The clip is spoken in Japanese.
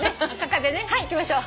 はいいきましょう。